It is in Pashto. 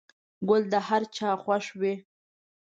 گل د هر چا خوښ وي.